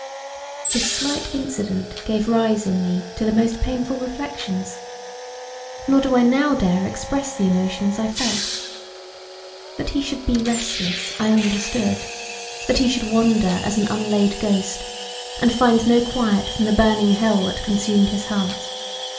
This slight incident gave rise in me to the most painful reflections; nor do I now dare express the emotions I felt. That he should be restless I understood; that he should wander as an unlaid ghost and find no quiet from the burning hell that consumed his heart.